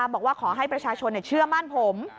บอกว่าขอให้ประชาชนเชื่อมั่นผม